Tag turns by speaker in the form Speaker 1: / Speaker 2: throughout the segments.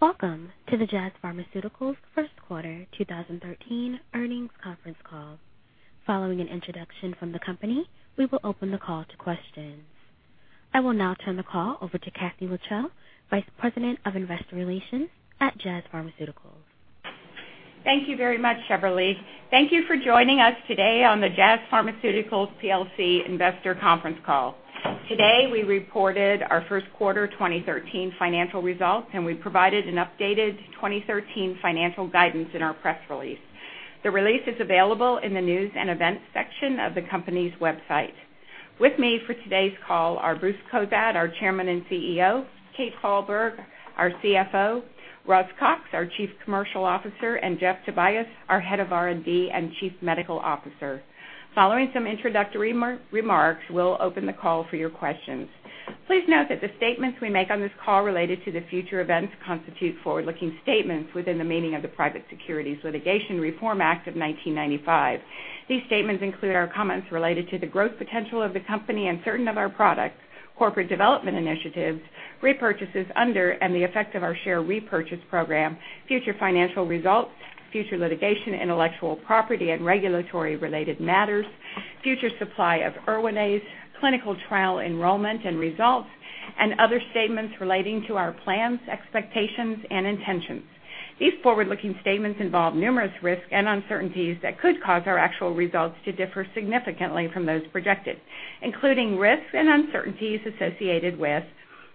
Speaker 1: Welcome to the Jazz Pharmaceuticals first quarter 2013 earnings conference call. Following an introduction from the company, we will open the call to questions. I will now turn the call over to Kathy Lucero, Vice President of Investor Relations at Jazz Pharmaceuticals.
Speaker 2: Thank you very much, Operator. Thank you for joining us today on the Jazz Pharmaceuticals plc investor conference call. Today, we reported our first quarter 2013 financial results, and we provided an updated 2013 financial guidance in our press release. The release is available in the news and events section of the company's website. With me for today's call are Bruce Cozadd, our Chairman and CEO, Kathryn Falberg, our CFO, Russell Cox, our Chief Commercial Officer, and Jeffrey Tobias, our Head of R&D and Chief Medical Officer. Following some introductory remarks, we'll open the call for your questions. Please note that the statements we make on this call related to the future events constitute forward-looking statements within the meaning of the Private Securities Litigation Reform Act of 1995. These statements include our comments related to the growth potential of the company and certain of our products, corporate development initiatives, repurchases under and the effect of our share repurchase program, future financial results, future litigation, intellectual property, and regulatory-related matters, future supply of Erwinaze, clinical trial enrollment and results, and other statements relating to our plans, expectations, and intentions. These forward-looking statements involve numerous risks and uncertainties that could cause our actual results to differ significantly from those projected, including risks and uncertainties associated with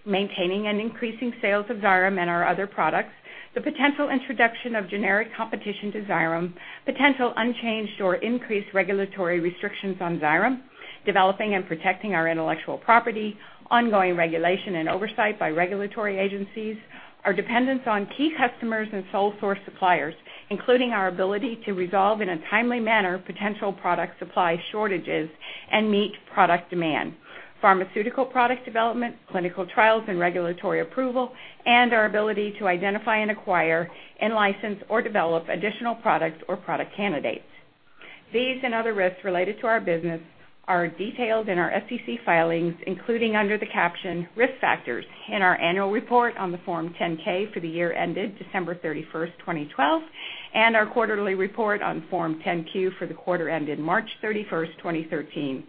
Speaker 2: maintaining and increasing sales of Xyrem and our other products, the potential introduction of generic competition to Xyrem, potential unchanged or increased regulatory restrictions on Xyrem, developing and protecting our intellectual property, ongoing regulation and oversight by regulatory agencies, our dependence on key customers and sole source suppliers, including our ability to resolve in a timely manner potential product supply shortages and meet product demand, pharmaceutical product development, clinical trials and regulatory approval, and our ability to identify and acquire and license or develop additional products or product candidates. These and other risks related to our business are detailed in our SEC filings, including under the caption Risk Factors in our annual report on Form 10-K for the year ended December 31, 2012, and our quarterly report on Form 10-Q for the quarter ended March 31, 2013,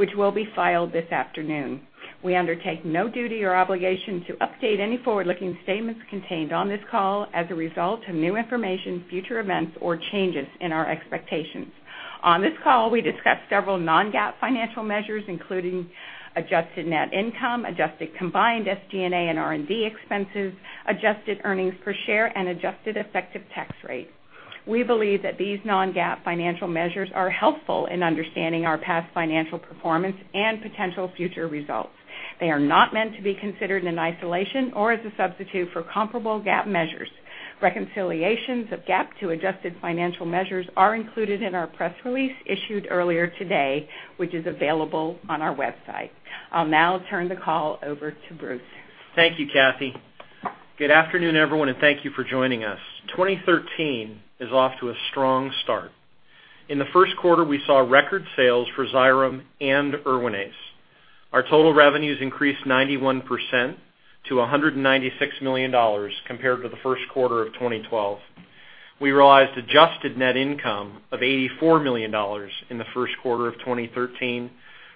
Speaker 2: which will be filed this afternoon. We undertake no duty or obligation to update any forward-looking statements contained on this call as a result of new information, future events, or changes in our expectations. On this call, we discuss several non-GAAP financial measures, including adjusted net income, adjusted combined SG&A and R&D expenses, adjusted earnings per share, and adjusted effective tax rate. We believe that these non-GAAP financial measures are helpful in understanding our past financial performance and potential future results. They are not meant to be considered in isolation or as a substitute for comparable GAAP measures. Reconciliations of GAAP to adjusted financial measures are included in our press release issued earlier today, which is available on our website. I'll now turn the call over to Bruce.
Speaker 3: Thank you, Kathy. Good afternoon, everyone, and thank you for joining us. 2013 is off to a strong start. In the first quarter, we saw record sales for Xyrem and Erwinaze. Our total revenues increased 91% to $196 million compared to the first quarter of 2012. We realized adjusted net income of $84 million in the first quarter of 2013,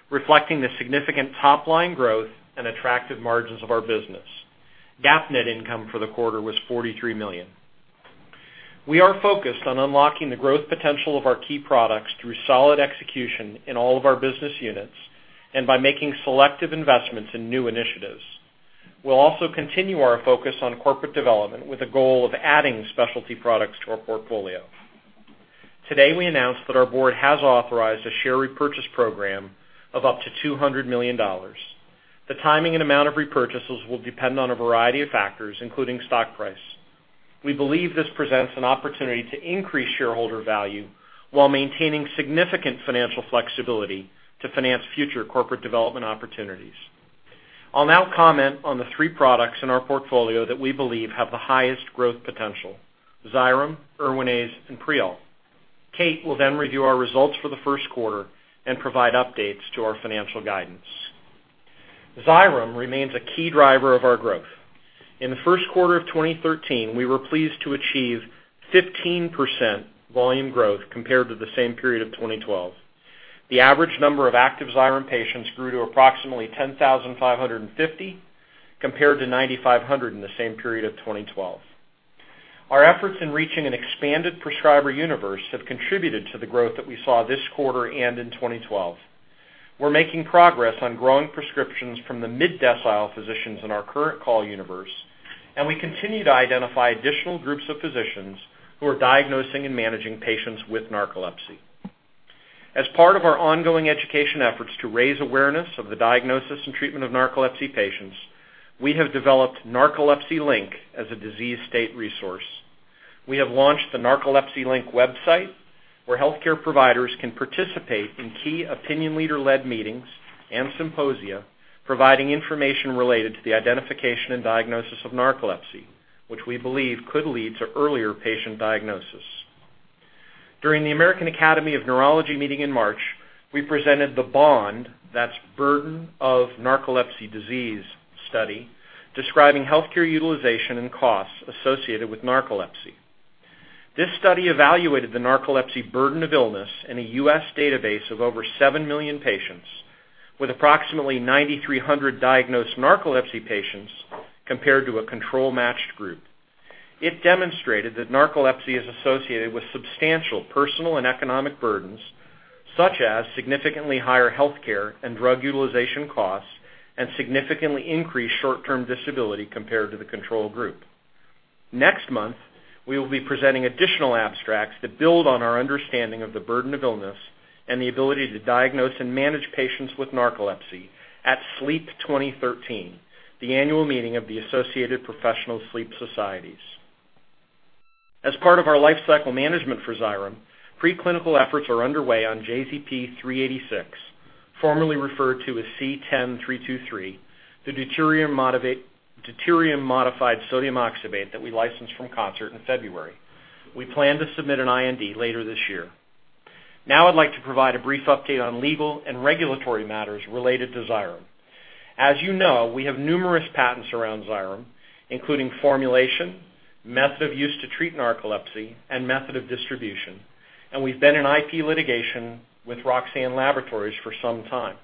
Speaker 3: reflecting the significant top-line growth and attractive margins of our business. GAAP net income for the quarter was $43 million. We are focused on unlocking the growth potential of our key products through solid execution in all of our business units and by making selective investments in new initiatives. We'll also continue our focus on corporate development with the goal of adding specialty products to our portfolio. Today, we announced that our board has authorized a share repurchase program of up to $200 million. The timing and amount of repurchases will depend on a variety of factors, including stock price. We believe this presents an opportunity to increase shareholder value while maintaining significant financial flexibility to finance future corporate development opportunities. I'll now comment on the three products in our portfolio that we believe have the highest growth potential. Xyrem, Erwinaze and Prialt. Kate will then review our results for the first quarter and provide updates to our financial guidance. Xyrem remains a key driver of our growth. In the first quarter of 2013, we were pleased to achieve 15% volume growth compared to the same period of 2012. The average number of active Xyrem patients grew to approximately 10,550, compared to 9,500 in the same period of 2012. Our efforts in reaching an expanded prescriber universe have contributed to the growth that we saw this quarter and in 2012. We're making progress on growing prescriptions from the mid-decile physicians in our current call universe, and we continue to identify additional groups of physicians who are diagnosing and managing patients with narcolepsy. As part of our ongoing education efforts to raise awareness of the diagnosis and treatment of narcolepsy patients, we have developed Narcolepsy Link as a disease state resource. We have launched the Narcolepsy Link website, where healthcare providers can participate in key opinion leader-led meetings and symposia, providing information related to the identification and diagnosis of narcolepsy, which we believe could lead to earlier patient diagnosis. During the American Academy of Neurology meeting in March, we presented the BOND, that's Burden of Narcolepsy Disease study, describing healthcare utilization and costs associated with narcolepsy. This study evaluated the narcolepsy burden of illness in a U.S. database of over 7 million patients, with approximately 9,300 diagnosed narcolepsy patients compared to a control matched group. It demonstrated that narcolepsy is associated with substantial personal and economic burdens, such as significantly higher healthcare and drug utilization costs, and significantly increased short-term disability compared to the control group. Next month, we will be presenting additional abstracts that build on our understanding of the burden of illness and the ability to diagnose and manage patients with narcolepsy at SLEEP 2013, the annual meeting of the Associated Professional Sleep Societies. As part of our lifecycle management for Xyrem, preclinical efforts are underway on JZP-386, formerly referred to as C-10323, the deuterium-modified sodium oxybate that we licensed from Concert Pharmaceuticals in February. We plan to submit an IND later this year. Now I'd like to provide a brief update on legal and regulatory matters related to Xyrem. As you know, we have numerous patents around Xyrem, including formulation, method of use to treat narcolepsy, and method of distribution, and we've been in IP litigation with Roxane Laboratories for some time.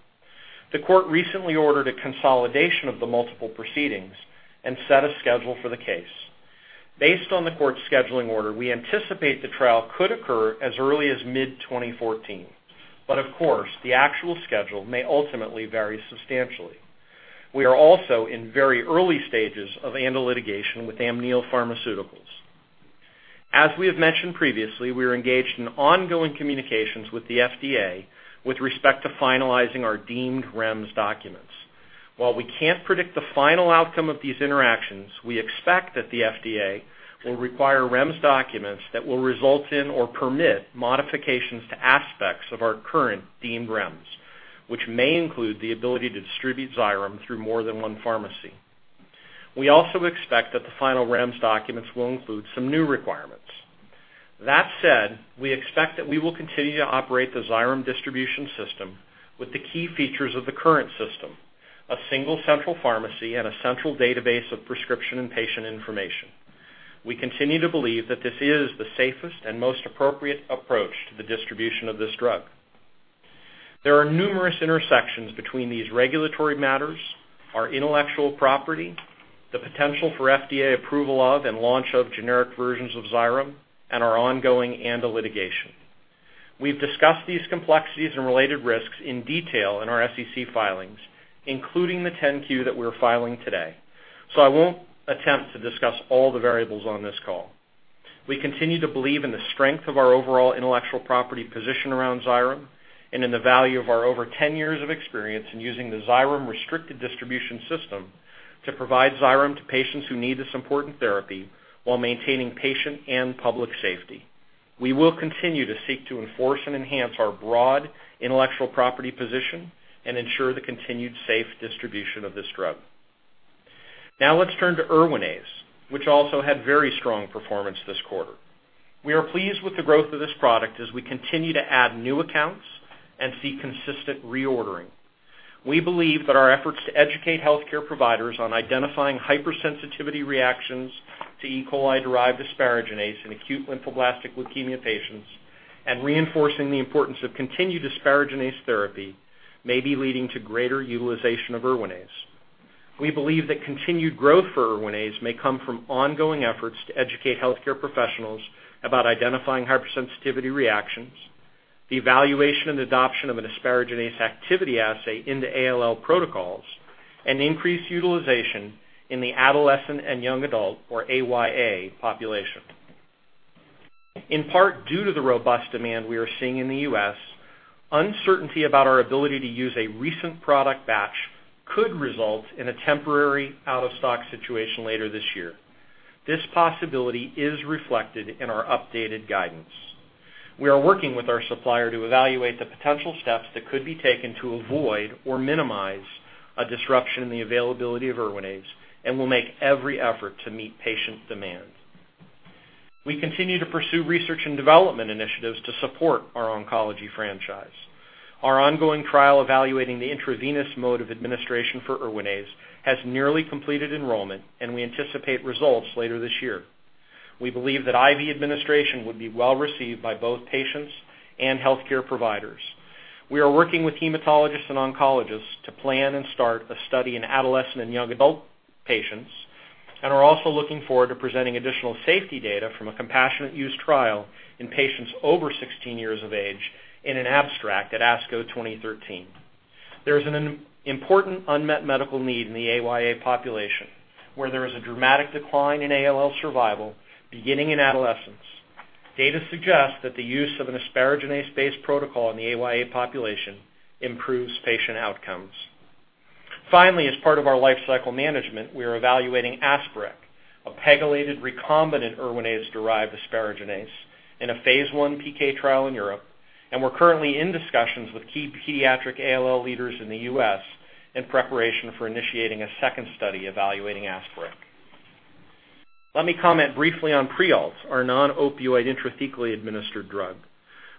Speaker 3: The court recently ordered a consolidation of the multiple proceedings and set a schedule for the case. Based on the court's scheduling order, we anticipate the trial could occur as early as mid-2014. Of course, the actual schedule may ultimately vary substantially. We are also in very early stages of ANDA litigation with Amneal Pharmaceuticals. As we have mentioned previously, we are engaged in ongoing communications with the FDA with respect to finalizing our deemed REMS documents. While we can't predict the final outcome of these interactions, we expect that the FDA will require REMS documents that will result in or permit modifications to aspects of our current deemed REMS, which may include the ability to distribute Xyrem through more than one pharmacy. We also expect that the final REMS documents will include some new requirements. That said, we expect that we will continue to operate the Xyrem distribution system with the key features of the current system, a single central pharmacy and a central database of prescription and patient information. We continue to believe that this is the safest and most appropriate approach to the distribution of this drug. There are numerous intersections between these regulatory matters, our intellectual property, the potential for FDA approval of and launch of generic versions of Xyrem, and our ongoing ANDA litigation. We've discussed these complexities and related risks in detail in our SEC filings, including the 10-Q that we're filing today, so I won't attempt to discuss all the variables on this call. We continue to believe in the strength of our overall intellectual property position around Xyrem, and in the value of our over 10 years of experience in using the Xyrem restricted distribution system to provide Xyrem to patients who need this important therapy while maintaining patient and public safety. We will continue to seek to enforce and enhance our broad intellectual property position and ensure the continued safe distribution of this drug. Now let's turn to Erwinaze, which also had very strong performance this quarter. We are pleased with the growth of this product as we continue to add new accounts and see consistent reordering. We believe that our efforts to educate healthcare providers on identifying hypersensitivity reactions to E. coli-derived asparaginase in acute lymphoblastic leukemia patients and reinforcing the importance of continued asparaginase therapy may be leading to greater utilization of Erwinaze. We believe that continued growth for Erwinaze may come from ongoing efforts to educate healthcare professionals about identifying hypersensitivity reactions, the evaluation and adoption of an asparaginase activity assay into ALL protocols, and increased utilization in the adolescent and young adult, or AYA population. In part due to the robust demand we are seeing in the U.S., uncertainty about our ability to use a recent product batch could result in a temporary out-of-stock situation later this year. This possibility is reflected in our updated guidance. We are working with our supplier to evaluate the potential steps that could be taken to avoid or minimize a disruption in the availability of Erwinaze and will make every effort to meet patient demand. We continue to pursue research and development initiatives to support our oncology franchise. Our ongoing trial evaluating the intravenous mode of administration for Erwinaze has nearly completed enrollment, and we anticipate results later this year. We believe that IV administration would be well received by both patients and healthcare providers. We are working with hematologists and oncologists to plan and start a study in adolescent and young adult patients, and are also looking forward to presenting additional safety data from a compassionate use trial in patients over 16 years of age in an abstract at ASCO 2013. There is an important unmet medical need in the AYA population, where there is a dramatic decline in ALL survival beginning in adolescence. Data suggest that the use of an asparaginase-based protocol in the AYA population improves patient outcomes. Finally, as part of our lifecycle management, we are evaluating Asparec, a pegylated recombinant Erwinaze-derived asparaginase in a phase 1 PK trial in Europe, and we're currently in discussions with key pediatric ALL leaders in the U.S. in preparation for initiating a second study evaluating Asparec. Let me comment briefly on Prialt, our non-opioid intrathecally administered drug.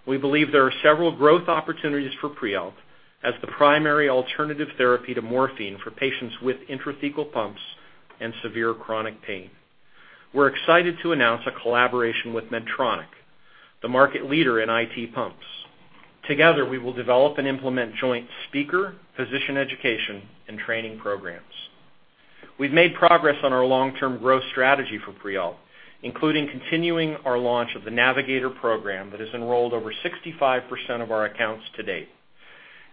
Speaker 3: We believe there are several growth opportunities for Prialt as the primary alternative therapy to morphine for patients with intrathecal pumps and severe chronic pain. We're excited to announce a collaboration with Medtronic, the market leader in IT pumps. Together, we will develop and implement joint speaker, physician education, and training programs. We've made progress on our long-term growth strategy for Prialt, including continuing our launch of the Navigator program that has enrolled over 65% of our accounts to date.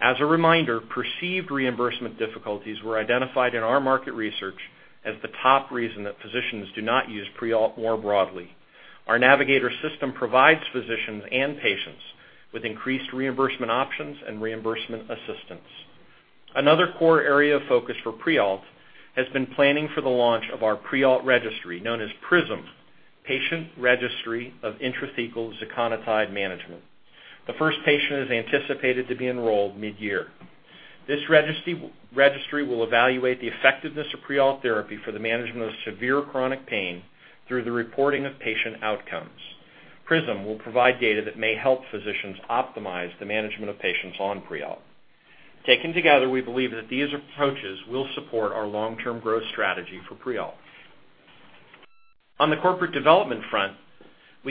Speaker 3: As a reminder, perceived reimbursement difficulties were identified in our market research as the top reason that physicians do not use Prialt more broadly. Our Nurse Navigator provides physicians and patients with increased reimbursement options and reimbursement assistance. Another core area of focus for Prialt has been planning for the launch of our Prialt registry, known as PRISM, Patient Registry of Intrathecal Ziconotide Management. The first patient is anticipated to be enrolled mid-year. This registry will evaluate the effectiveness of Prialt therapy for the management of severe chronic pain through the reporting of patient outcomes. PRISM will provide data that may help physicians optimize the management of patients on Prialt. Taken together, we believe that these approaches will support our long-term growth strategy for Prialt. On the corporate development front,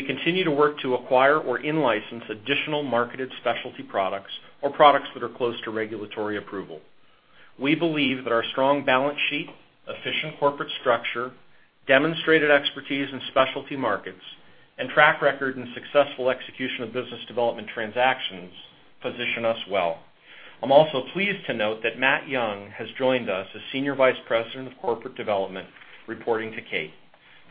Speaker 3: we continue to work to acquire or in-license additional marketed specialty products or products that are close to regulatory approval. We believe that our strong balance sheet, efficient corporate structure, demonstrated expertise in specialty markets, and track record in successful execution of business development transactions position us well. I'm also pleased to note that Matt Young has joined us as Senior Vice President of Corporate Development, reporting to Kate.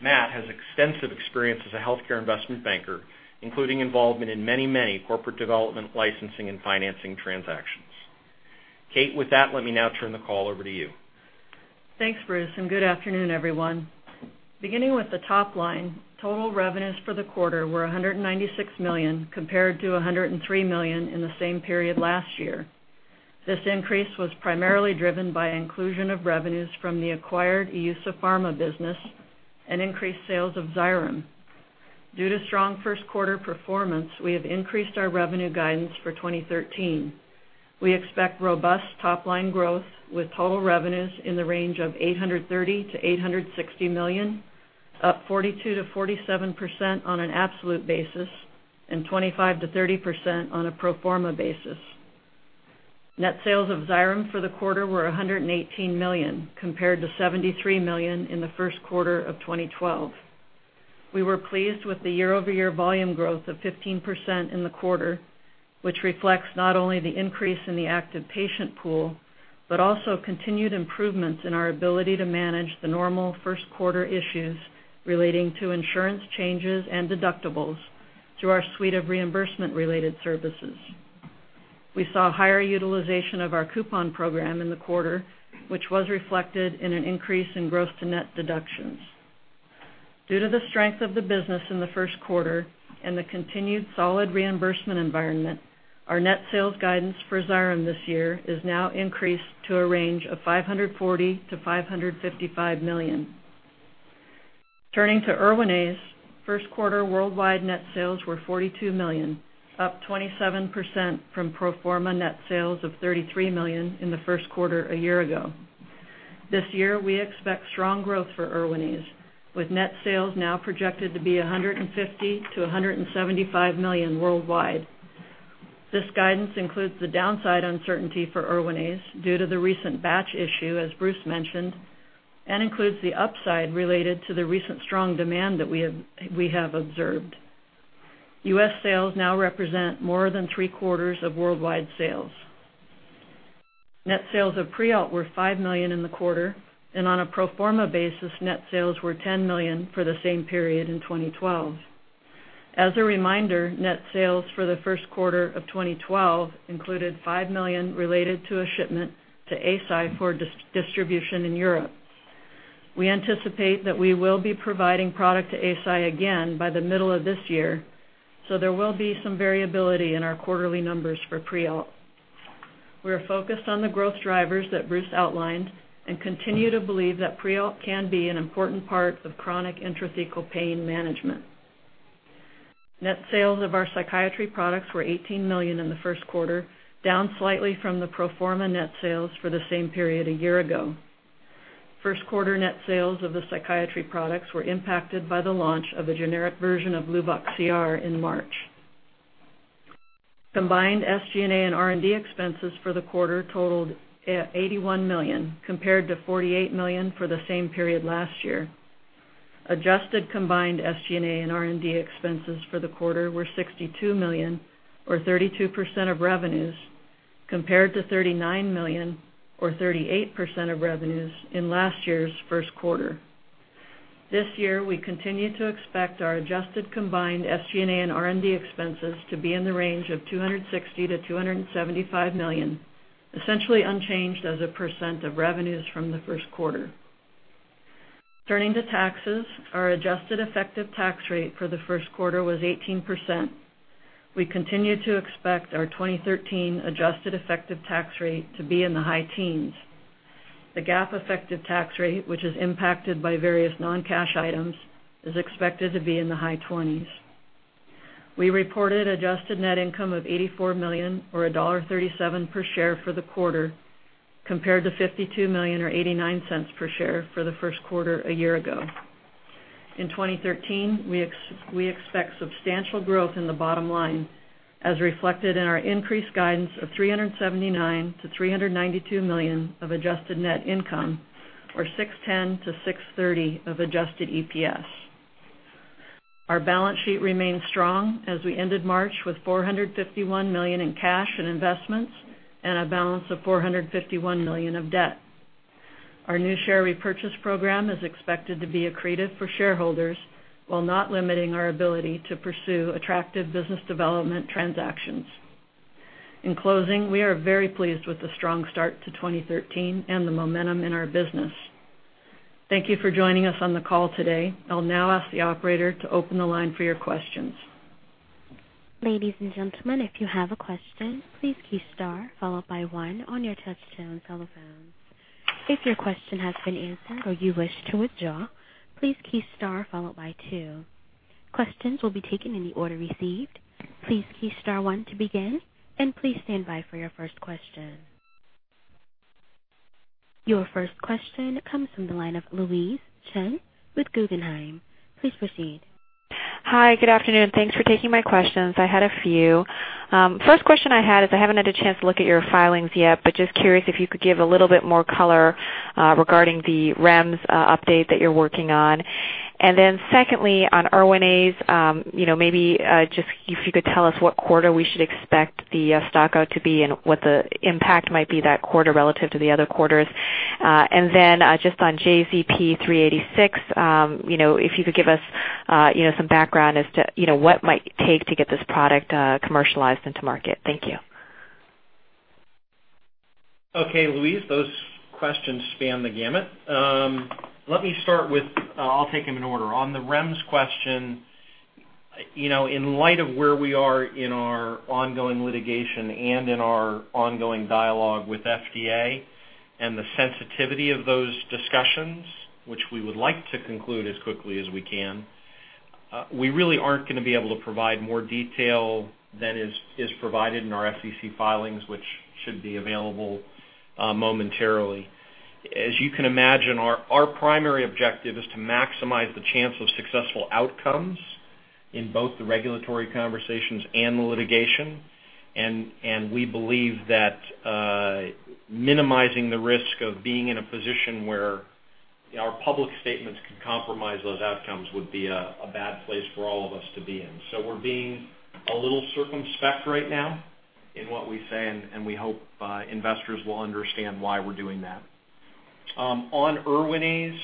Speaker 3: Matt has extensive experience as a healthcare investment banker, including involvement in many, many corporate development, licensing, and financing transactions. Kate, with that, let me now turn the call over to you.
Speaker 4: Thanks, Bruce, and good afternoon, everyone. Beginning with the top line, total revenues for the quarter were $196 million, compared to $103 million in the same period last year. This increase was primarily driven by inclusion of revenues from the acquired EUSA Pharma business and increased sales of Xyrem. Due to strong first quarter performance, we have increased our revenue guidance for 2013. We expect robust top-line growth with total revenues in the range of $830 million-$860 million, up 42%-47% on an absolute basis and 25%-30% on a pro forma basis. Net sales of Xyrem for the quarter were $118 million, compared to $73 million in the first quarter of 2012. We were pleased with the year-over-year volume growth of 15% in the quarter, which reflects not only the increase in the active patient pool, but also continued improvements in our ability to manage the normal first quarter issues relating to insurance changes and deductibles through our suite of reimbursement-related services. We saw higher utilization of our coupon program in the quarter, which was reflected in an increase in gross to net deductions. Due to the strength of the business in the first quarter and the continued solid reimbursement environment, our net sales guidance for Xyrem this year is now increased to a range of $540 million-$555 million. Turning to Erwinaze, first quarter worldwide net sales were $42 million, up 27% from pro forma net sales of $33 million in the first quarter a year ago. This year, we expect strong growth for Erwinaze, with net sales now projected to be $150-$175 million worldwide. This guidance includes the downside uncertainty for Erwinaze due to the recent batch issue, as Bruce mentioned, and includes the upside related to the recent strong demand that we have observed. U.S. sales now represent more than three-quarters of worldwide sales. Net sales of Prialt were $5 million in the quarter, and on a pro forma basis, net sales were $10 million for the same period in 2012. As a reminder, net sales for the first quarter of 2012 included $5 million related to a shipment to Eisai for distribution in Europe. We anticipate that we will be providing product to Eisai again by the middle of this year, so there will be some variability in our quarterly numbers for Prialt. We are focused on the growth drivers that Bruce outlined and continue to believe that Prialt can be an important part of chronic intrathecal pain management. Net sales of our psychiatry products were $18 million in the first quarter, down slightly from the pro forma net sales for the same period a year ago. First quarter net sales of the psychiatry products were impacted by the launch of a generic version of Luvox CR in March. Combined SG&A and R&D expenses for the quarter totaled at $81 million, compared to $48 million for the same period last year. Adjusted combined SG&A and R&D expenses for the quarter were $62 million or 32% of revenues, compared to $39 million or 38% of revenues in last year's first quarter. This year, we continue to expect our adjusted combined SG&A and R&D expenses to be in the range of $260 million-$275 million, essentially unchanged as a percent of revenues from the first quarter. Turning to taxes, our adjusted effective tax rate for the first quarter was 18%.
Speaker 3: We continue to expect our 2013 adjusted effective tax rate to be in the high teens. The GAAP effective tax rate, which is impacted by various non-cash items, is expected to be in the high twenties. We reported adjusted net income of $84 million or $1.37 per share for the quarter, compared to $52 million or $0.89 per share for the first quarter a year ago. In 2013, we expect substantial growth in the bottom line as reflected in our increased guidance of $379 million-$392 million of adjusted net income or $6.10-$6.30 of adjusted EPS. Our balance sheet remains strong as we ended March with $451 million in cash and investments and a balance of $451 million of debt. Our new share repurchase program is expected to be accretive for shareholders while not limiting our ability to pursue attractive business development transactions. In closing, we are very pleased with the strong start to 2013 and the momentum in our business. Thank you for joining us on the call today. I'll now ask the operator to open the line for your questions.
Speaker 1: Ladies and gentlemen, if you have a question, please key star followed by one on your touchtone telephones. If your question has been answered or you wish to withdraw, please key star followed by two. Questions will be taken in the order received. Please key star one to begin, and please stand by for your first question. Your first question comes from the line of Louise Chen with Guggenheim. Please proceed.
Speaker 5: Hi, good afternoon. Thanks for taking my questions. I had a few. First question I had is I haven't had a chance to look at your filings yet, but just curious if you could give a little bit more color, regarding the REMS update that you're working on. Secondly, on Erwinaze, you know, maybe, just if you could tell us what quarter we should expect the stock out to be and what the impact might be that quarter relative to the other quarters. Just on JZP-386, you know, if you could give us, you know, some background as to, you know, what might take to get this product, commercialized into market. Thank you.
Speaker 3: Okay, Louise Chen, those questions span the gamut. Let me start with, I'll take them in order. On the REMS question, you know, in light of where we are in our ongoing litigation and in our ongoing dialogue with FDA and the sensitivity of those discussions, which we would like to conclude as quickly as we can, we really aren't gonna be able to provide more detail than is provided in our SEC filings, which should be available, momentarily. As you can imagine, our primary objective is to maximize the chance of successful outcomes in both the regulatory conversations and the litigation. We believe that, minimizing the risk of being in a position where our public statements could compromise those outcomes would be a bad place for all of us to be in. We're being a little circumspect right now in what we say, and we hope investors will understand why we're doing that. On Erwinaze,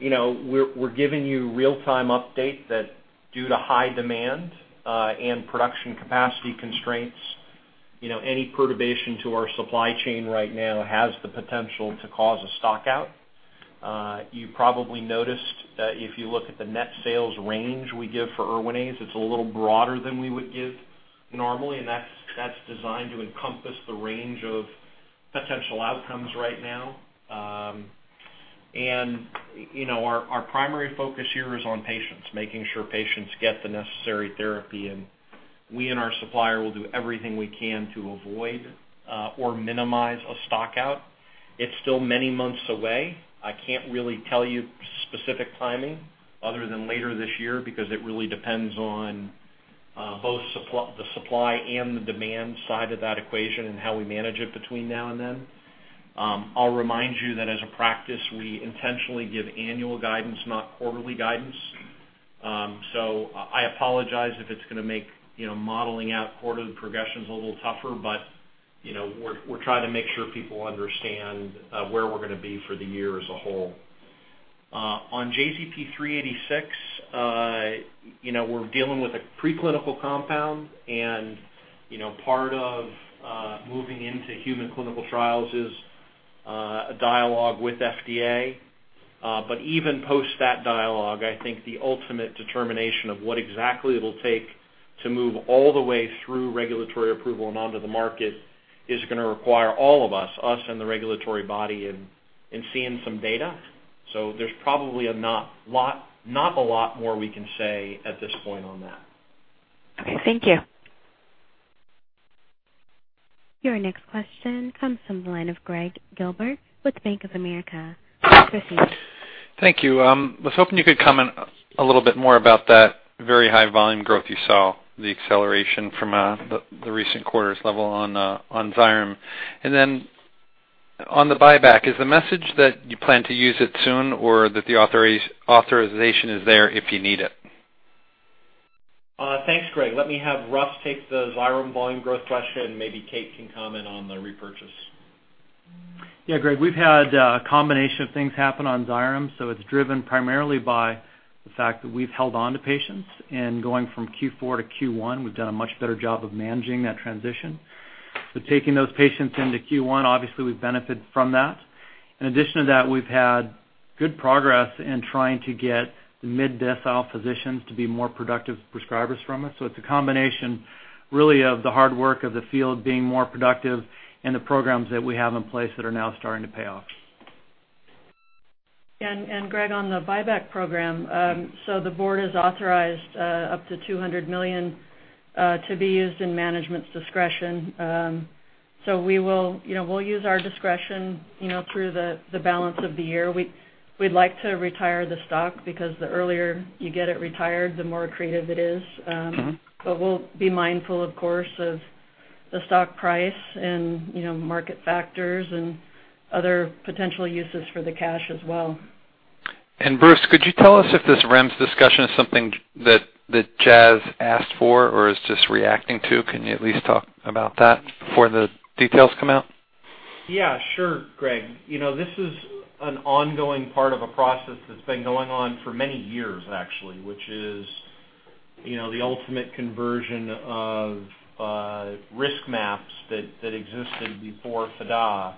Speaker 3: we're giving you real-time update that due to high demand and production capacity constraints, any perturbation to our supply chain right now has the potential to cause a stock out. You probably noticed that if you look at the net sales range we give for Erwinaze, it's a little broader than we would give normally, and that's designed to encompass the range of potential outcomes right now. Our primary focus here is on patients, making sure patients get the necessary therapy, and we and our supplier will do everything we can to avoid or minimize a stock out. It's still many months away. I can't really tell you specific timing other than later this year because it really depends on both the supply and the demand side of that equation and how we manage it between now and then. I'll remind you that as a practice, we intentionally give annual guidance, not quarterly guidance. I apologize if it's gonna make, you know, modeling out quarterly progressions a little tougher, but, you know, we're trying to make sure people understand where we're gonna be for the year as a whole. On JZP-386, you know, we're dealing with a preclinical compound and, you know, part of moving into human clinical trials is a dialogue with FDA. Even post that dialogue, I think the ultimate determination of what exactly it'll take to move all the way through regulatory approval and onto the market is gonna require all of us and the regulatory body in seeing some data. There's probably a lot more we can say at this point on that.
Speaker 5: Okay. Thank you.
Speaker 1: Your next question comes from the line of Greg Gilbert with Bank of America. Please proceed.
Speaker 6: Thank you. I was hoping you could comment a little bit more about that very high volume growth you saw, the acceleration from the recent quarters level on Xyrem. Then on the buyback, is the message that you plan to use it soon or that the authorization is there if you need it?
Speaker 3: Thanks, Greg. Let me have Russ take the Xyrem volume growth question. Maybe Kate can comment on the repurchase.
Speaker 7: Yeah, Gregg, we've had a combination of things happen on Xyrem, so it's driven primarily by the fact that we've held on to patients and going from Q4 to Q1, we've done a much better job of managing that transition.
Speaker 3: Taking those patients into Q1, obviously, we benefit from that. In addition to that, we've had good progress in trying to get the mid-decile physicians to be more productive prescribers from us. It's a combination really of the hard work of the field being more productive and the programs that we have in place that are now starting to pay off.
Speaker 8: Gregg, on the buyback program, the board has authorized up to $200 million to be used in management's discretion. We will, you know, we'll use our discretion, you know, through the balance of the year. We'd like to retire the stock because the earlier you get it retired, the more accretive it is. We'll be mindful, of course, of the stock price and, you know, market factors and other potential uses for the cash as well.
Speaker 6: Bruce, could you tell us if this REMS discussion is something that Jazz asked for or is just reacting to? Can you at least talk about that before the details come out?
Speaker 3: Yeah, sure, Greg. You know, this is an ongoing part of a process that's been going on for many years, actually, which is, you know, the ultimate conversion of RiskMAPs that existed before FDA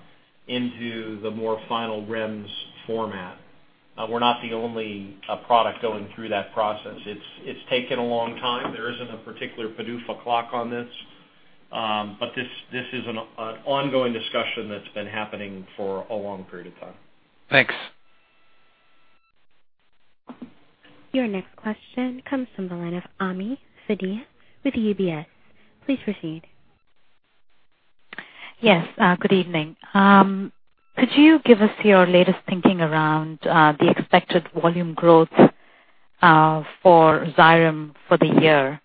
Speaker 3: into the more final REMS format. We're not the only product going through that process. It's taken a long time. There isn't a particular PDUFA clock on this, but this is an ongoing discussion that's been happening for a long period of time.
Speaker 6: Thanks.
Speaker 1: Your next question comes from the line of Ami Fadia with UBS. Please proceed.
Speaker 9: Yes, good evening. Could you give us your latest thinking around the expected volume growth for Xyrem for the year?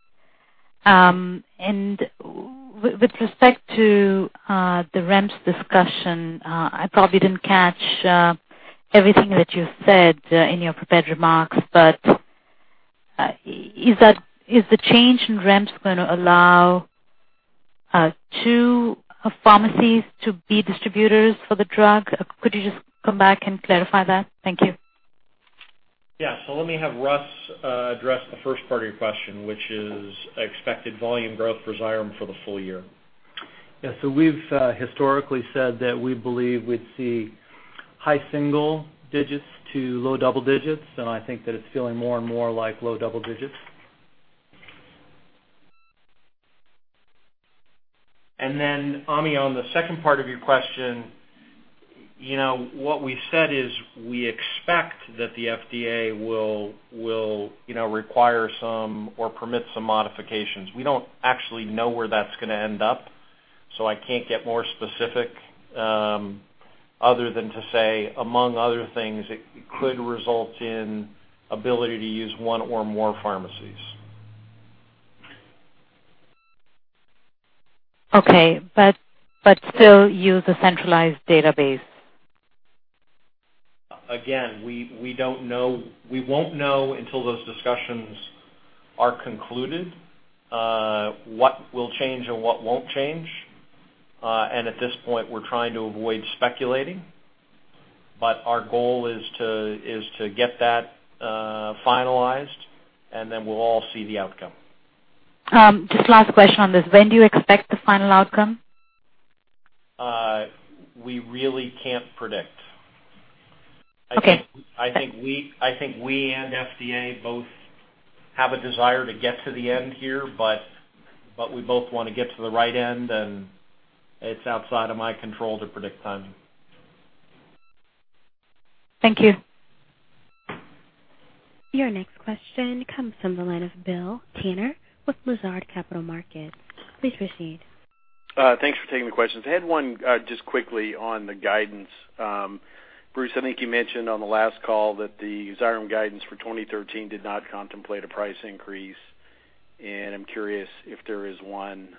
Speaker 9: With respect to the REMS discussion, I probably didn't catch everything that you said in your prepared remarks, but is the change in REMS gonna allow two pharmacies to be distributors for the drug? Could you just come back and clarify that? Thank you.
Speaker 3: Yeah. Let me have Russ address the first part of your question, which is expected volume growth for Xyrem for the full year.
Speaker 6: Yeah. We've historically said that we believe we'd see high single digits to low double digits, and I think that it's feeling more and more like low double digits.
Speaker 3: Ami, on the second part of your question, you know, what we said is we expect that the FDA will, you know, require some or permit some modifications. We don't actually know where that's gonna end up, so I can't get more specific, other than to say, among other things, it could result in ability to use one or more pharmacies.
Speaker 9: Okay, still use a centralized database.
Speaker 3: Again, we don't know. We won't know until those discussions are concluded, what will change and what won't change. At this point, we're trying to avoid speculating. Our goal is to get that finalized, and then we'll all see the outcome.
Speaker 9: Just last question on this. When do you expect the final outcome?
Speaker 3: We really can't predict.
Speaker 9: Okay.
Speaker 3: I think we and FDA both have a desire to get to the end here, but we both wanna get to the right end, and it's outside of my control to predict timing.
Speaker 9: Thank you.
Speaker 1: Your next question comes from the line of Bill Tanner with Lazard Capital Markets. Please proceed.
Speaker 8: Thanks for taking the questions. I had one, just quickly on the guidance. Bruce, I think you mentioned on the last call that the Xyrem guidance for 2013 did not contemplate a price increase, and I'm curious if there is one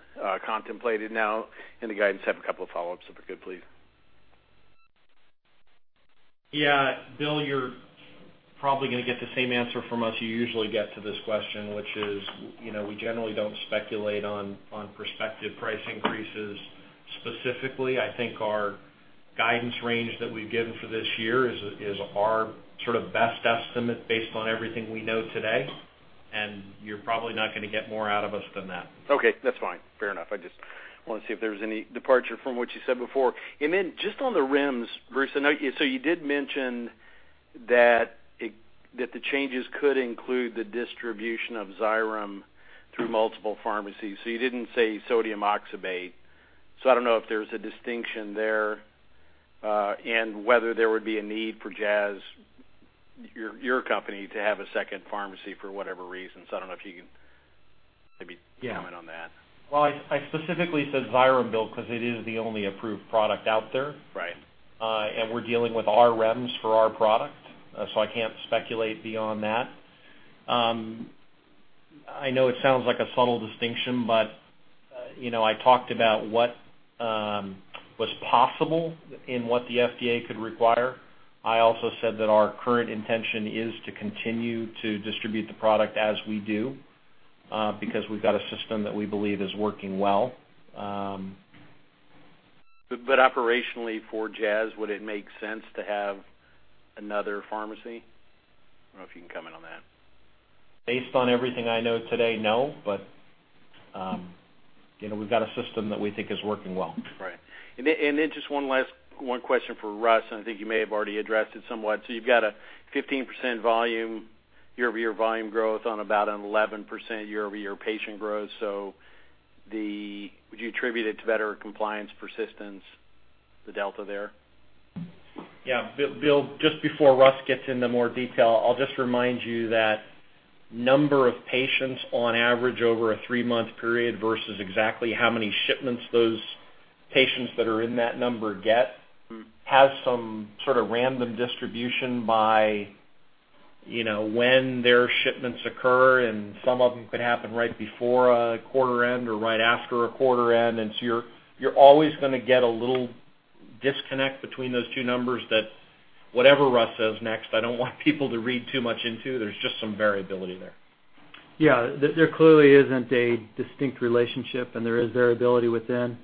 Speaker 8: contemplated now in the guidance. I have a couple of follow-ups if I could, please.
Speaker 3: Yeah. Bill, you're probably gonna get the same answer from us you usually get to this question, which is, you know, we generally don't speculate on prospective price increases. Specifically, I think our guidance range that we've given for this year is our sort of best estimate based on everything we know today, and you're probably not gonna get more out of us than that.
Speaker 8: Okay, that's fine. Fair enough. I just wanna see if there's any departure from what you said before. Just on the REMS, Bruce, I know so you did mention that the changes could include the distribution of Xyrem through multiple pharmacies. You didn't say sodium oxybate, so I don't know if there's a distinction there, and whether there would be a need for Jazz, your company, to have a second pharmacy for whatever reason. I don't know if you can maybe comment on that.
Speaker 3: Well, I specifically said Xyrem, Bill, 'cause it is the only approved product out there.
Speaker 8: Right.
Speaker 3: We're dealing with our REMS for our product, so I can't speculate beyond that. I know it sounds like a subtle distinction, but, you know, I talked about what was possible in what the FDA could require. I also said that our current intention is to continue to distribute the product as we do, because we've got a system that we believe is working well.
Speaker 8: Operationally for Jazz, would it make sense to have another pharmacy? I don't know if you can comment on that.
Speaker 3: Based on everything I know today, no. You know, we've got a system that we think is working well.
Speaker 8: Right. Then just one last question for Russ, and I think you may have already addressed it somewhat. You've got a 15% volume year-over-year volume growth on about an 11% year-over-year patient growth. Then would you attribute it to better compliance persistence, the delta there?
Speaker 3: Yeah. Bill, just before Russ gets into more detail, I'll just remind you that number of patients on average over a three-month period versus exactly how many shipments those patients that are in that number get, has some sort of random distribution by, you know, when their shipments occur, and some of them could happen right before a quarter end or right after a quarter end. You're always gonna get a little disconnect between those two numbers that whatever Russ says next, I don't want people to read too much into. There's just some variability there.
Speaker 7: Yeah. There clearly isn't a distinct relationship, and there is variability within. And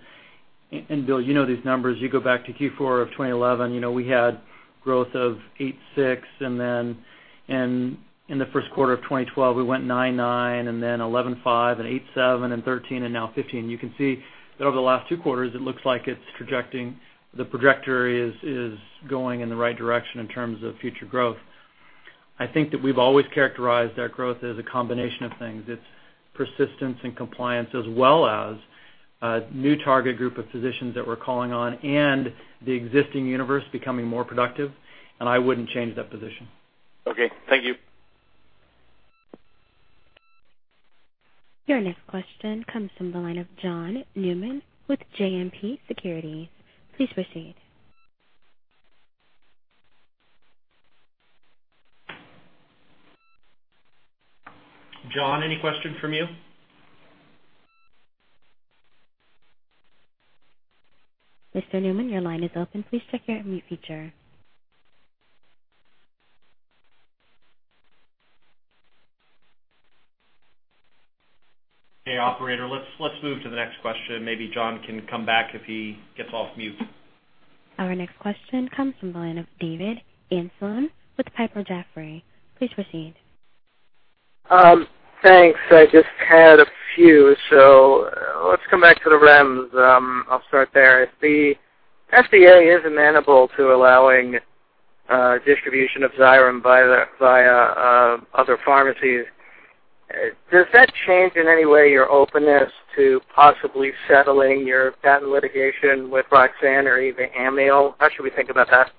Speaker 7: Bill, you know these numbers. You go back to Q4 of 2011, you know, we had growth of 86%, and then in the first quarter of 2012, we went 99%, and then 11.5%, 8.7%, 13%, and now 15%. You can see that over the last two quarters, it looks like it's projecting. The trajectory is going in the right direction in terms of future growth. I think that we've always characterized our growth as a combination of things. It's persistence and compliance as well as a new target group of physicians that we're calling on, and the existing universe becoming more productive. I wouldn't change that position.
Speaker 8: Okay, thank you.
Speaker 1: Your next question comes from the line of John Newman with JMP Securities. Please proceed.
Speaker 3: John, any question from you?
Speaker 1: Mr. Newman, your line is open. Please check your mute feature.
Speaker 3: Hey, operator. Let's move to the next question. Maybe John can come back if he gets off mute.
Speaker 1: Our next question comes from the line of David Amsellem with Piper Jaffray. Please proceed.
Speaker 10: Thanks. I just had a few. Let's come back to the REMS. I'll start there. If the FDA is amenable to allowing distribution of Xyrem via other pharmacies, does that change in any way your openness to possibly settling your patent litigation with Roxane or even Amneal? How should we think about that?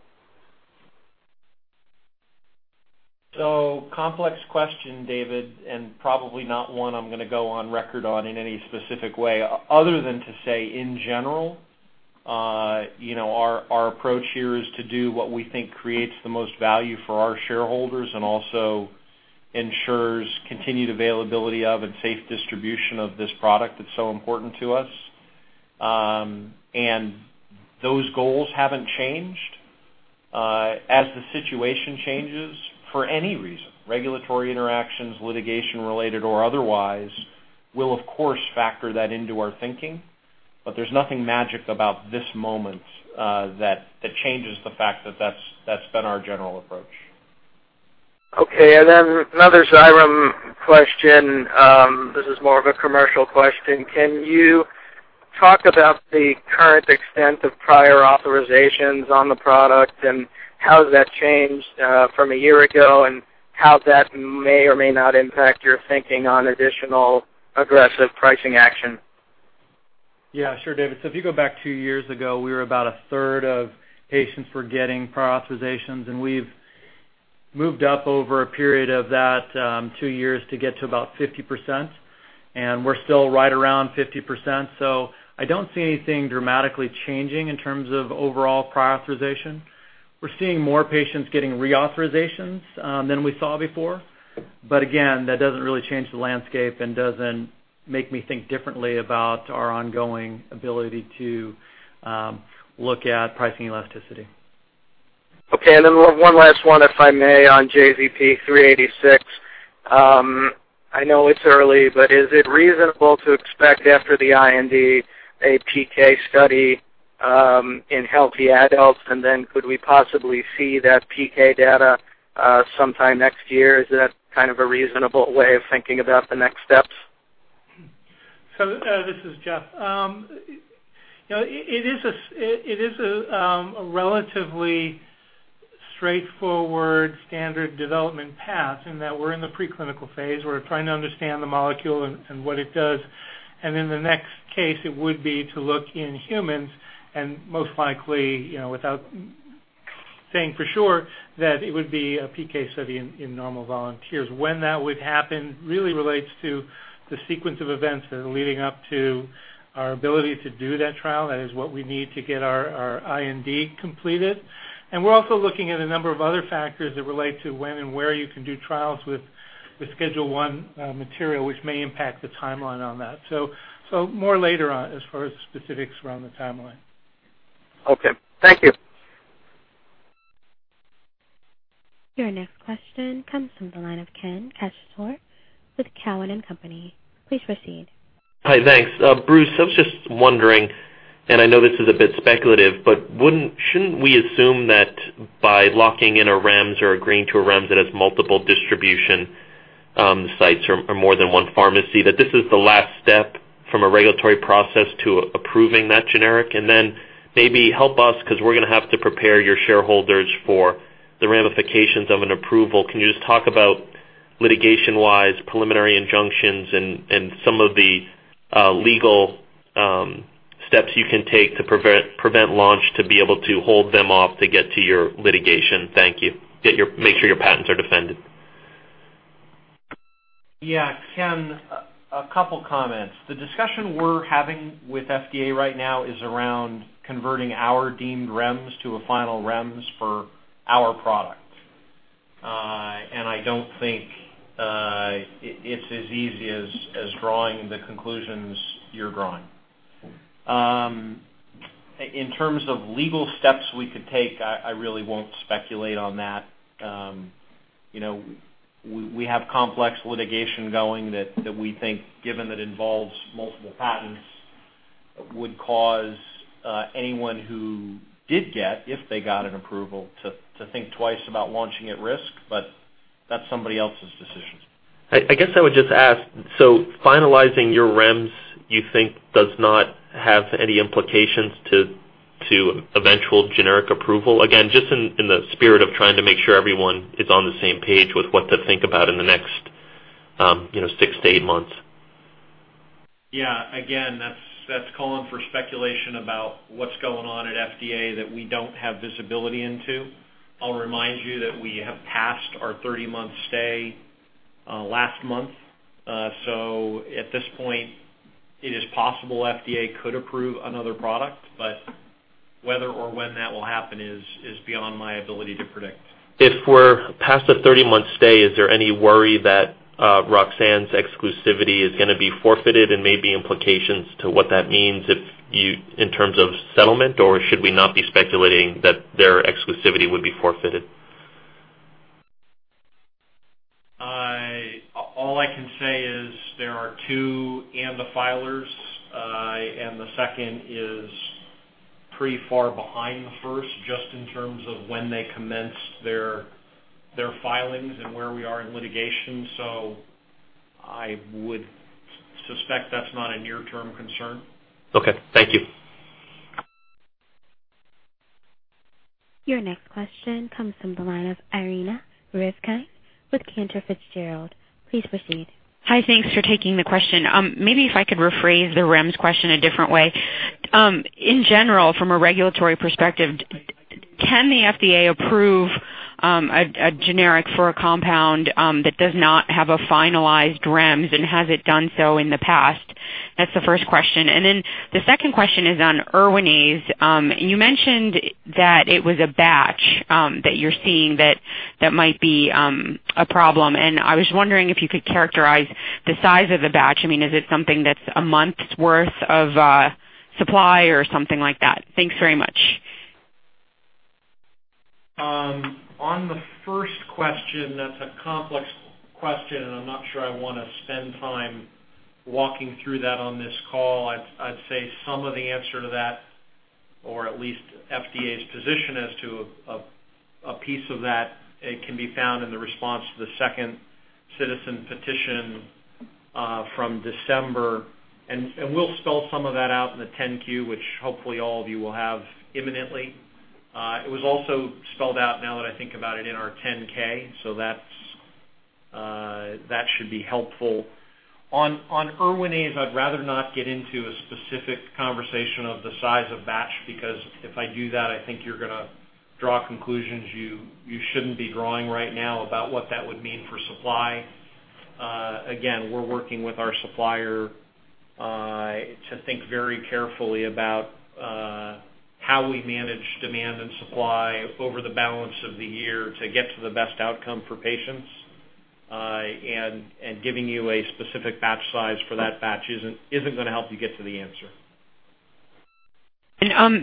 Speaker 3: Complex question, David, and probably not one I'm gonna go on record on in any specific way other than to say, in general, you know, our approach here is to do what we think creates the most value for our shareholders and also ensures continued availability of and safe distribution of this product that's so important to us. Those goals haven't changed. As the situation changes for any reason, regulatory interactions, litigation related or otherwise, we'll of course factor that into our thinking. There's nothing magic about this moment that changes the fact that that's been our general approach.
Speaker 10: Okay. Another Xyrem question. This is more of a commercial question. Can you talk about the current extent of prior authorizations on the product and how has that changed from a year ago and how that may or may not impact your thinking on additional aggressive pricing action?
Speaker 7: Yeah, sure, David. If you go back 2 years ago, we were about a third of patients were getting prior authorizations, and we've moved up over a period of that 2 years to get to about 50%, and we're still right around 50%. I don't see anything dramatically changing in terms of overall prior authorization. We're seeing more patients getting reauthorizations than we saw before, but again, that doesn't really change the landscape and doesn't make me think differently about our ongoing ability to look at pricing elasticity.
Speaker 10: Okay. One last one, if I may, on JZP-386. I know it's early, but is it reasonable to expect after the IND a PK study in healthy adults? Could we possibly see that PK data sometime next year? Is that kind of a reasonable way of thinking about the next steps?
Speaker 11: This is Jeff. You know, it is a relatively straightforward standard development path in that we're in the preclinical phase. We're trying to understand the molecule and what it does. In the next case, it would be to look in humans and most likely, you know, without saying for sure, that it would be a PK study in normal volunteers. When that would happen really relates to the sequence of events that are leading up to our ability to do that trial. That is what we need to get our IND completed. We're also looking at a number of other factors that relate to when and where you can do trials with Schedule I material, which may impact the timeline on that. More later on as far as specifics around the timeline.
Speaker 10: Okay. Thank you.
Speaker 1: Your next question comes from the line of Ken Cacciatore with Cowen and Company. Please proceed.
Speaker 12: Hi. Thanks. Bruce, I was just wondering, and I know this is a bit speculative, but shouldn't we assume that by locking in a REMS or agreeing to a REMS that has multiple distribution sites or more than one pharmacy, that this is the last step from a regulatory process to approving that generic? Then maybe help us because we're gonna have to prepare your shareholders for the ramifications of an approval. Can you just talk about litigation-wise, preliminary injunctions and some of the legal steps you can take to prevent launch to be able to hold them off to get to your litigation? Thank you. Get your make sure your patents are defended.
Speaker 3: Yeah. Ken, a couple comments. The discussion we're having with FDA right now is around converting our deemed REMS to a final REMS for our product. I don't think it's as easy as drawing the conclusions you're drawing. In terms of legal steps we could take, I really won't speculate on that. You know, we have complex litigation going that we think, given it involves multiple patents, would cause anyone who did get, if they got an approval, to think twice about launching at risk, but that's somebody else's decision.
Speaker 12: I guess I would just ask, so finalizing your REMS, you think does not have any implications to eventual generic approval? Again, just in the spirit of trying to make sure everyone is on the same page with what to think about in the next 6-8 months.
Speaker 3: Yeah. Again, that's calling for speculation about what's going on at FDA that we don't have visibility into. I'll remind you that we have passed our 30-month stay last month. So at this point, it is possible FDA could approve another product, but whether or when that will happen is beyond my ability to predict.
Speaker 12: If we're past the 30-month stay, is there any worry that Roxane's exclusivity is gonna be forfeited and maybe implications to what that means in terms of settlement, or should we not be speculating that their exclusivity would be forfeited?
Speaker 3: All I can say is there are two ANDA filers. The second is pretty far behind the first, just in terms of when they commenced their filings and where we are in litigation. I would suspect that's not a near-term concern.
Speaker 12: Okay. Thank you.
Speaker 1: Your next question comes from the line of Irina Rivkind with Cantor Fitzgerald. Please proceed.
Speaker 13: Hi. Thanks for taking the question. Maybe if I could rephrase the REMS question a different way. In general, from a regulatory perspective, can the FDA approve a generic for a compound that does not have a finalized REMS, and has it done so in the past? That's the first question. The second question is on Erwinaze. You mentioned that it was a batch that might be a problem. I was wondering if you could characterize the size of the batch. I mean, is it something that's a month's worth of supply or something like that? Thanks very much.
Speaker 3: On the first question, that's a complex question, and I'm not sure I wanna spend time walking through that on this call. I'd say some of the answer to that, or at least FDA's position as to a piece of that, it can be found in the response to the second Citizen Petition from December. We'll spell some of that out in the 10-Q, which hopefully all of you will have imminently. It was also spelled out, now that I think about it, in our 10-K, so that should be helpful. On Erwinaze, I'd rather not get into a specific conversation of the size of batch, because if I do that, I think you're gonna draw conclusions you shouldn't be drawing right now about what that would mean for supply. Again, we're working with our supplier to think very carefully about how we manage demand and supply over the balance of the year to get to the best outcome for patients. Giving you a specific batch size for that batch isn't gonna help you get to the answer.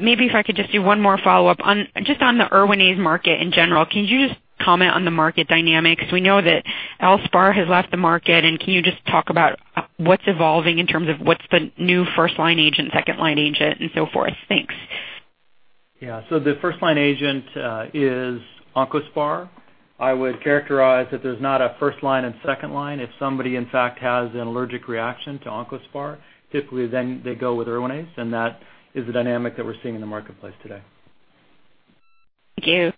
Speaker 13: Maybe if I could just do one more follow-up. On just the Erwinaze market in general, can you just comment on the market dynamics? We know that Elspar has left the market, and can you just talk about what's evolving in terms of what's the new first-line agent, second-line agent, and so forth? Thanks.
Speaker 7: The first-line agent is Oncaspar. I would characterize that there's not a first line and second line. If somebody, in fact, has an allergic reaction to Oncaspar, typically then they go with Erwinaze, and that is the dynamic that we're seeing in the marketplace today.
Speaker 13: Thank you.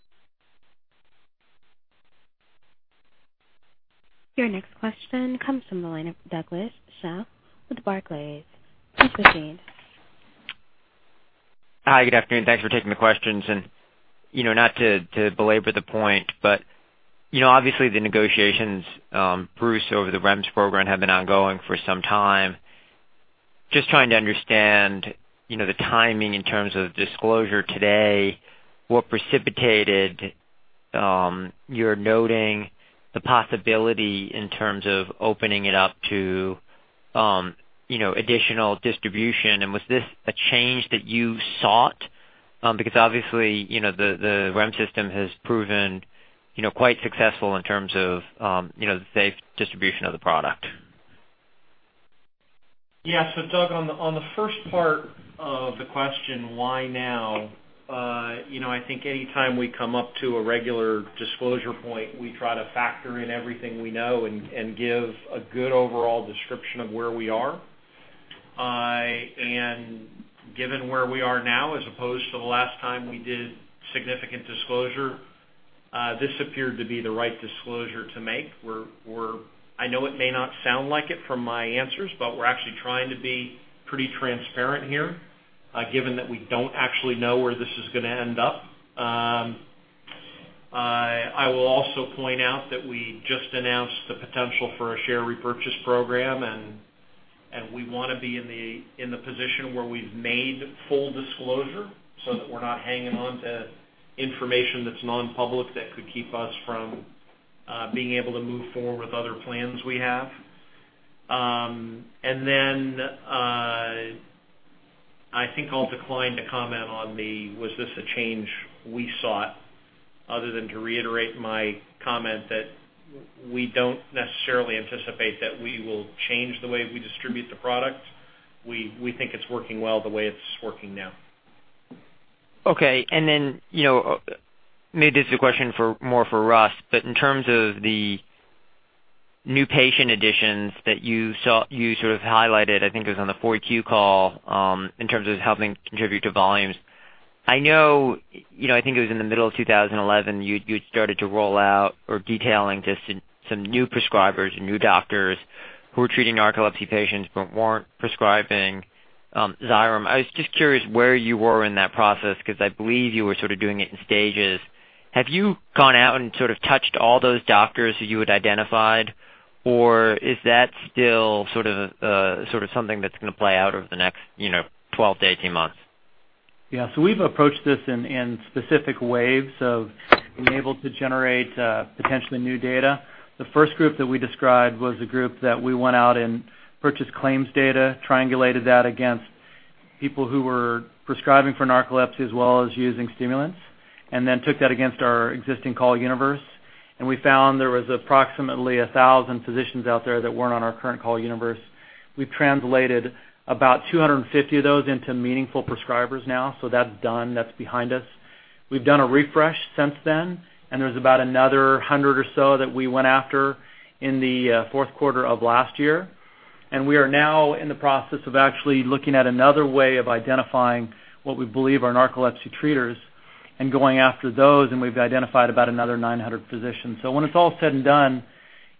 Speaker 1: Your next question comes from the line of Douglas Tsao with Barclays. Please proceed.
Speaker 14: Hi, good afternoon. Thanks for taking the questions. You know, not to belabor the point, but you know, obviously the negotiations, Bruce, over the REMS program have been ongoing for some time. Just trying to understand, you know, the timing in terms of disclosure today, what precipitated your noting the possibility in terms of opening it up to, you know, additional distribution, and was this a change that you sought? Because obviously, you know, the REMS system has proven, you know, quite successful in terms of, you know, safe distribution of the product.
Speaker 3: Yeah. Doug, on the first part of the question, why now? You know, I think any time we come up to a regular disclosure point, we try to factor in everything we know and give a good overall description of where we are. Given where we are now, as opposed to the last time we did significant disclosure, this appeared to be the right disclosure to make. I know it may not sound like it from my answers, but we're actually trying to be pretty transparent here, given that we don't actually know where this is gonna end up. I will also point out that we just announced the potential for a share repurchase program, and we wanna be in the position where we've made full disclosure so that we're not hanging on to information that's non-public that could keep us from being able to move forward with other plans we have. Then, I think I'll decline to comment on whether this was a change we sought other than to reiterate my comment that we don't necessarily anticipate that we will change the way we distribute the product. We think it's working well the way it's working now.
Speaker 14: Okay. You know, maybe this is a question for, more for Russ, but in terms of the new patient additions that you saw, you sort of highlighted, I think it was on the 4Q call, in terms of helping contribute to volumes. I know, you know, I think it was in the middle of 2011, you had started to roll out or detailing just some new prescribers and new doctors who were treating narcolepsy patients but weren't prescribing, Xyrem. I was just curious where you were in that process because I believe you were sort of doing it in stages. Have you gone out and sort of touched all those doctors who you had identified, or is that still sort of something that's gonna play out over the next, you know, 12 to 18 months?
Speaker 7: Yeah. We've approached this in specific waves of being able to generate potentially new data. The first group that we described was a group that we went out and purchased claims data, triangulated that against people who were prescribing for narcolepsy as well as using stimulants, and then took that against our existing call universe. We found there was approximately 1,000 physicians out there that weren't on our current call universe. We've translated about 250 of those into meaningful prescribers now. That's done, that's behind us. We've done a refresh since then, and there's about another 100 or so that we went after in the fourth quarter of last year. We are now in the process of actually looking at another way of identifying what we believe are narcolepsy treaters and going after those, and we've identified about another 900 physicians. So when it's all said and done,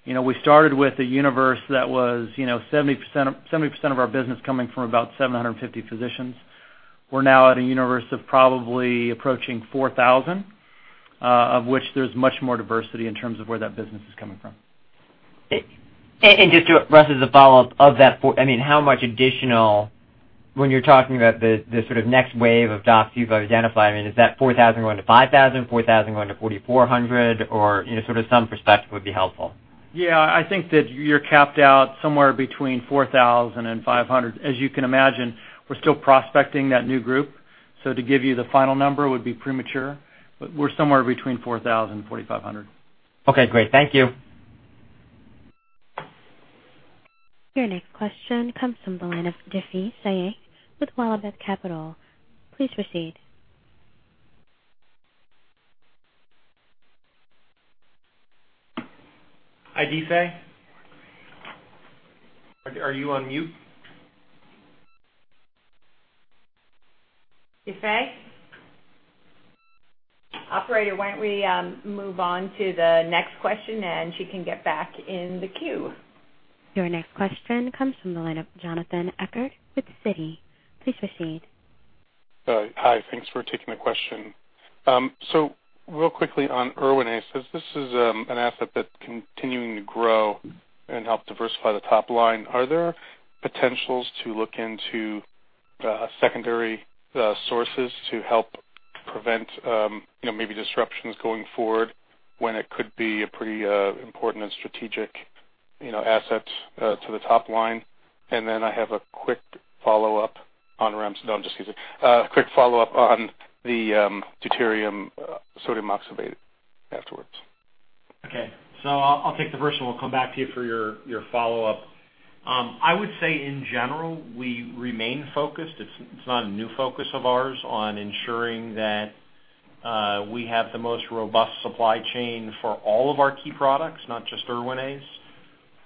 Speaker 7: you know, we started with a universe that was, you know, 70% of our business coming from about 750 physicians. We're now at a universe of probably approaching 4,000, of which there's much more diversity in terms of where that business is coming from.
Speaker 14: Just to, Russ, as a follow-up of that 4, I mean, how much additional when you're talking about the sort of next wave of docs you've identified, I mean, is that 4,000 going to 5,000, 4,000 going to 4,400, or, you know, sort of some perspective would be helpful.
Speaker 7: Yeah. I think that you're capped out somewhere between 4,000 and 5,000. As you can imagine, we're still prospecting that new group, so to give you the final number would be premature. We're somewhere between 4,000 and 4,500.
Speaker 14: Okay, great. Thank you.
Speaker 1: Your next question comes from the line of Difei Yang with WallachBeth Capital. Please proceed.
Speaker 3: Hi, Difei. Are you on mute?
Speaker 2: Difei? Operator, why don't we move on to the next question, and she can get back in the queue.
Speaker 1: Your next question comes from the line of Jonathan Ecker with Citi. Please proceed.
Speaker 15: Hi. Thanks for taking the question. So real quickly on Erwinaze, since this is an asset that's continuing to grow and help diversify the top line, are there potentials to look into secondary sources to help prevent you know, maybe disruptions going forward when it could be a pretty important and strategic you know, asset to the top line? No, I'm just teasing. A quick follow-up on the deuterium sodium oxybate afterwards.
Speaker 3: Okay. I'll take the first and we'll come back to you for your follow-up. I would say in general, we remain focused. It's not a new focus of ours on ensuring that we have the most robust supply chain for all of our key products, not just Erwinaze.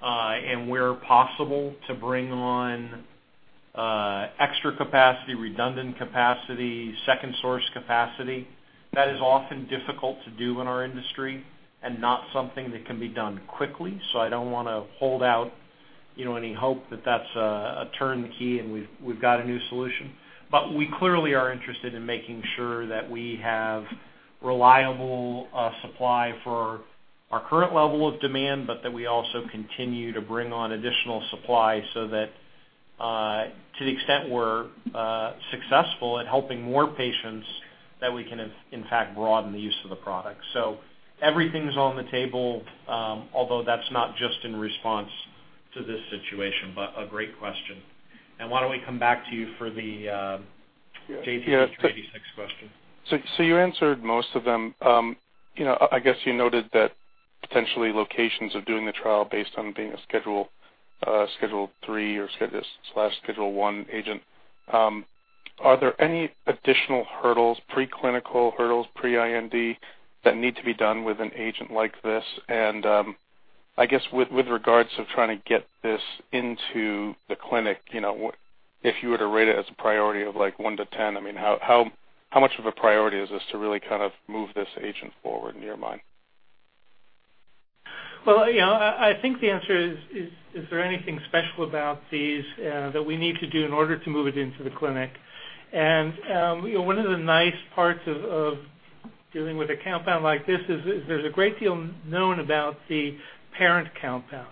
Speaker 3: And where possible to bring on extra capacity, redundant capacity, second source capacity. That is often difficult to do in our industry and not something that can be done quickly. I don't wanna hold out, you know, any hope that that's a turn key and we've got a new solution. We clearly are interested in making sure that we have reliable supply for our current level of demand, but that we also continue to bring on additional supply so that, to the extent we're successful at helping more patients, that we can in fact broaden the use of the product. Everything's on the table, although that's not just in response to this situation, but a great question. Why don't we come back to you for the JPD 56 question.
Speaker 15: You answered most of them. You know, I guess you noted that potential locations of doing the trial based on being a Schedule III or Schedule I agent. Are there any additional hurdles, preclinical hurdles, pre-IND, that need to be done with an agent like this? I guess with regards to trying to get this into the clinic, you know, if you were to rate it as a priority of like 1 to 10, I mean how much of a priority is this to really kind of move this agent forward in narcolepsy?
Speaker 3: You know, I think the answer is there anything special about these that we need to do in order to move it into the clinic? You know, one of the nice parts of dealing with a compound like this is there's a great deal known about the parent compound.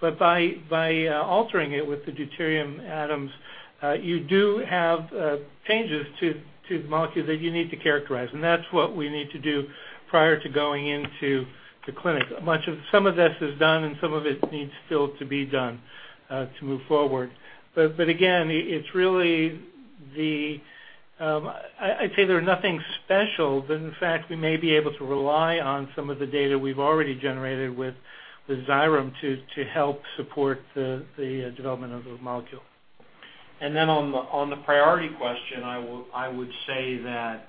Speaker 3: By altering it with the deuterium atoms, you do have changes to the molecule that you need to characterize, and that's what we need to do prior to going into the clinic. Much of some of this is done and some of it needs still to be done to move forward. Again, it's really. I'd say there's nothing special, but in fact we may be able to rely on some of the data we've already generated with Xyrem to help support the development of the molecule. On the priority question, I would say that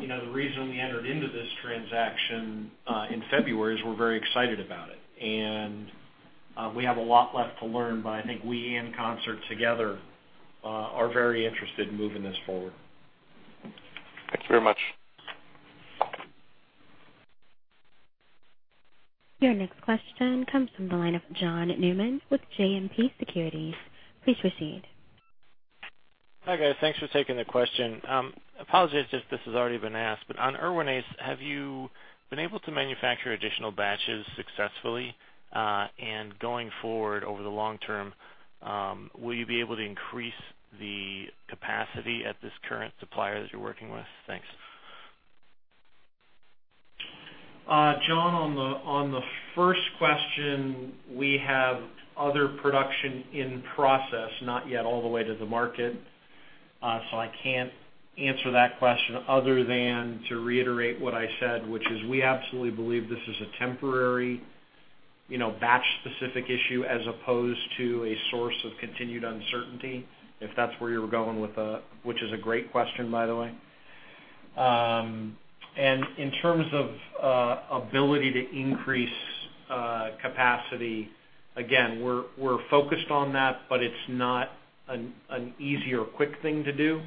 Speaker 3: you know, the reason we entered into this transaction in February is we're very excited about it. We have a lot left to learn, but I think we in concert together are very interested in moving this forward.
Speaker 15: Thank you very much.
Speaker 1: Your next question comes from the line of John Newman with JMP Securities. Please proceed.
Speaker 16: Hi, guys. Thanks for taking the question. Apologies if this has already been asked, but on Erwinaze, have you been able to manufacture additional batches successfully? Going forward over the long term, will you be able to increase the capacity at this current supplier that you're working with? Thanks.
Speaker 3: John, on the first question, we have other production in process, not yet all the way to the market, so I can't answer that question other than to reiterate what I said, which is we absolutely believe this is a temporary, you know, batch specific issue as opposed to a source of continued uncertainty, if that's where you were going with it. Which is a great question by the way. In terms of ability to increase capacity, again, we're focused on that, but it's not an easy or quick thing to do.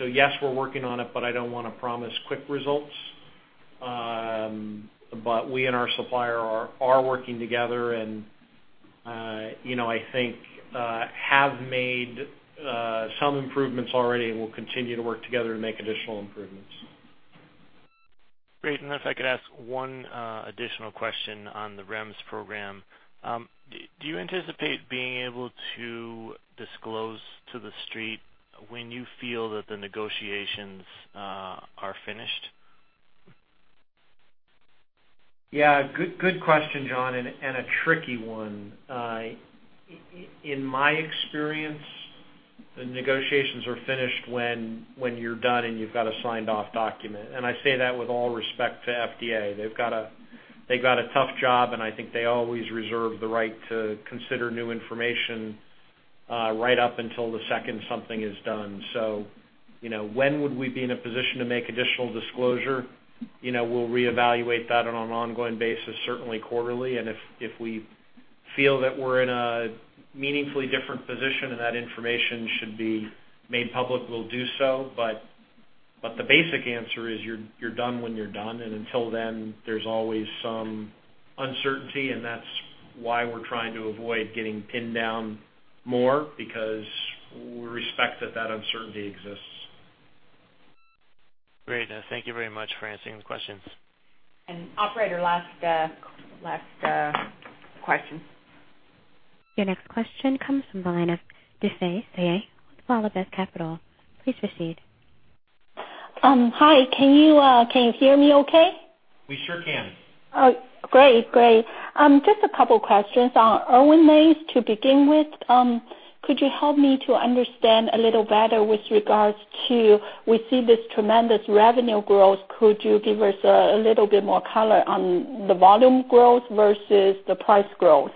Speaker 3: Yes, we're working on it, but I don't wanna promise quick results. We and our supplier are working together and, you know, I think have made some improvements already, and we'll continue to work together to make additional improvements.
Speaker 16: Great. If I could ask one additional question on the REMS program. Do you anticipate being able to disclose to the street when you feel that the negotiations are finished?
Speaker 3: Yeah. Good question, John, and a tricky one. In my experience, the negotiations are finished when you're done and you've got a signed off document. I say that with all respect to FDA. They've got a tough job, and I think they always reserve the right to consider new information right up until the second something is done. You know, when would we be in a position to make additional disclosure? You know, we'll reevaluate that on an ongoing basis, certainly quarterly, and if we feel that we're in a meaningfully different position and that information should be made public, we'll do so. The basic answer is you're done when you're done, and until then, there's always some uncertainty, and that's why we're trying to avoid getting pinned down more because we respect that uncertainty exists.
Speaker 16: Great. Thank you very much for answering the questions.
Speaker 3: Operator, last question.
Speaker 1: Your next question comes from the line of Difei Yang with WallachBeth Capital. Please proceed.
Speaker 17: Hi. Can you hear me okay?
Speaker 3: We sure can.
Speaker 17: Oh, great. Just a couple questions on Erwinaze to begin with. Could you help me to understand a little better with regards to we see this tremendous revenue growth. Could you give us a little bit more color on the volume growth versus the price growth?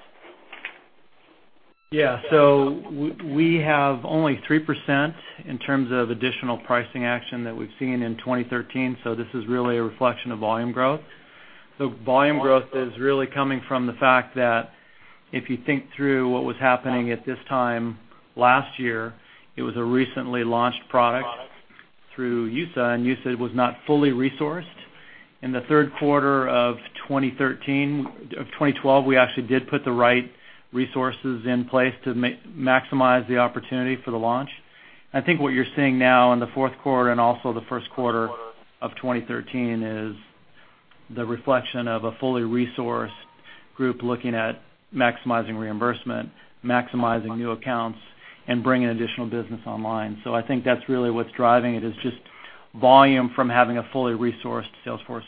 Speaker 3: Yeah. We have only 3% in terms of additional pricing action that we've seen in 2013, so this is really a reflection of volume growth. The volume growth is really coming from the fact that if you think through what was happening at this time last year, it was a recently launched product through EUSA, and EUSA was not fully resourced. In the third quarter of 2013, of 2012, we actually did put the right resources in place to maximize the opportunity for the launch. I think what you're seeing now in the fourth quarter and also the first quarter of 2013 is the reflection of a fully resourced group looking at maximizing reimbursement, maximizing new accounts, and bringing additional business online. I think that's really what's driving it, is just volume from having a fully resourced sales force.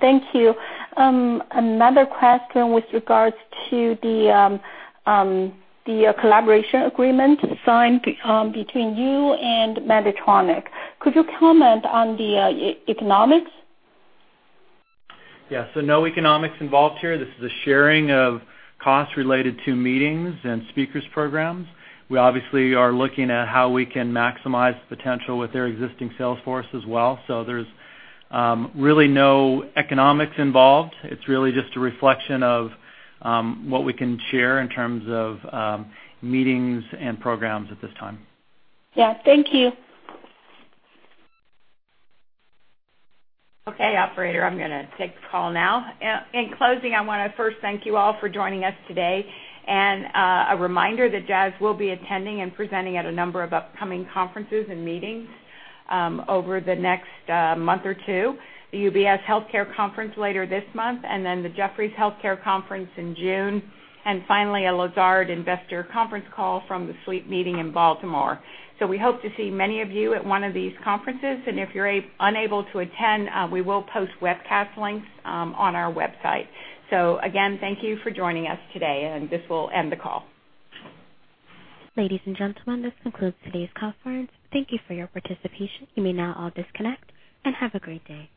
Speaker 17: Thank you. Another question with regards to the collaboration agreement signed between you and Medtronic. Could you comment on the economics?
Speaker 3: Yeah. No economics involved here. This is a sharing of costs related to meetings and speakers programs. We obviously are looking at how we can maximize potential with their existing sales force as well. There's really no economics involved. It's really just a reflection of what we can share in terms of meetings and programs at this time.
Speaker 17: Yeah. Thank you.
Speaker 3: Okay, operator, I'm gonna take the call now. In closing, I wanna first thank you all for joining us today. A reminder that Jazz will be attending and presenting at a number of upcoming conferences and meetings over the next month or two. The UBS Health Care Conference later this month and then the Jefferies Healthcare Conference in June, and finally, a Lazard Investor Conference call from the sleep meeting in Baltimore. We hope to see many of you at one of these conferences. If you're unable to attend, we will post webcast links on our website. Again, thank you for joining us today, and this will end the call.
Speaker 1: Ladies and gentlemen, this concludes today's conference. Thank you for your participation. You may now all disconnect and have a great day.